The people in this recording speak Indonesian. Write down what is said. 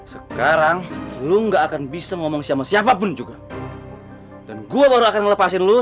sekarang lu nggak akan bisa ngomong sama siapapun juga dan gua bahkan lepasin lu